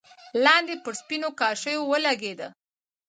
لاندې پر سپينو کاشيو ولګېده.